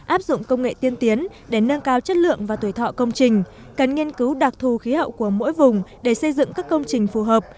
áp dụng công nghệ tiên tiến để nâng cao chất lượng và tuổi thọ công trình cần nghiên cứu đặc thù khí hậu của mỗi vùng để xây dựng các công trình phù hợp